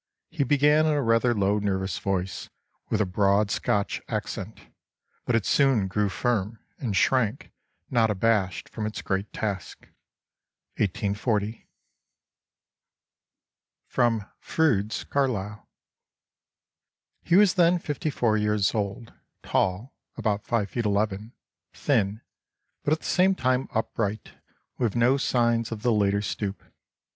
He began in a rather low nervous voice, with a broad Scotch accent, but it soon grew firm, and shrank not abashed from its great task." 1840. [Sidenote: Froude's Carlyle.] "He was then fifty four years old; tall (about five feet eleven), thin, but at the same time upright, with no signs of the later stoop.